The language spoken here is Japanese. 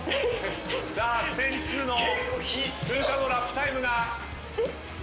さあステージ２の通過のラップタイムが心配ですが。